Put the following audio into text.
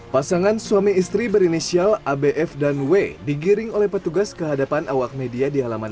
pasangan suami istri berinisial abf dan w digiring oleh petugas kehadapan awak media di halaman